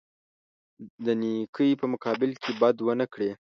د نیکۍ په مقابل کې بد ونه کړي.